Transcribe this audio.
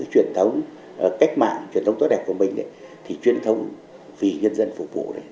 cái truyền thống cách mạng truyền thống tốt đẹp của mình ấy thì truyền thống vì nhân dân phục vụ này